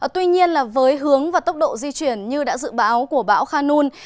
tuy nhiên với hướng và tốc độ di chuyển như đã dự báo của bão khanun